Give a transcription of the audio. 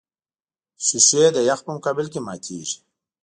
شیشې د یخ په مقابل کې ماتېږي.